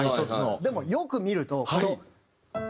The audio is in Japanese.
でもよく見るとこの。